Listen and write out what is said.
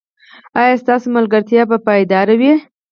ایا ستاسو ملګرتیا به پایداره وي؟